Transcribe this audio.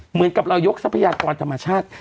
เหมือนกับเรายกทรัพยากรธรรมชาติ